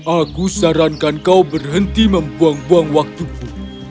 aku sarankan kau berhenti membuang buang waktuku